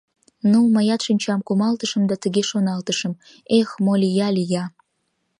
Ну, мыят шинчам кумалтышым да тыге шоналтышым: "Эх, мо лия-лия..."